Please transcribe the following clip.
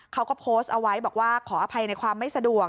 เขาก็โพสต์เอาไว้บอกว่าขออภัยในความไม่สะดวก